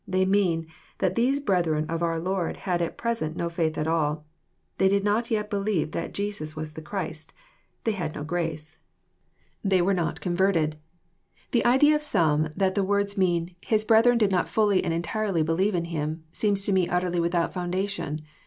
They mean, that these brethren of our Lord had at present no faith at all. They did not yet believe that Jesus was the Christ. They had no grace. They JOHN, CHAP. vn. 9 were not converted. The idea of some that the words mean, His brethren did not ftilly and entirely believe in Him," seems to me utterly without foundation.